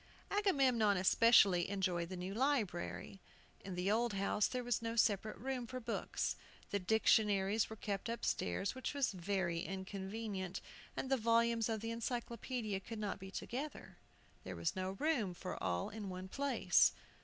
Agamemnon especially enjoyed the new library. In the old house there was no separate room for books. The dictionaries were kept upstairs, which was very inconvenient, and the volumes of the Encyclopædia could not be together. There was not room for all in one place.